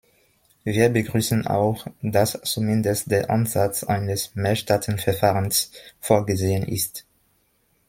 Wir begrüßen auch, dass zumindest der Ansatz eines Mehrstaatenverfahrens vorgesehen ist.